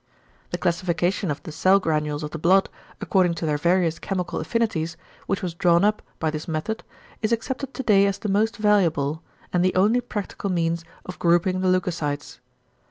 The classification of the cell granules of the blood according to their various chemical affinities which was drawn up by this method is accepted to day as the most valuable, and the only practical means of grouping the leucocytes.